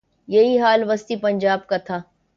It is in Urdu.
یہی حال وسطی پنجاب کا تھا۔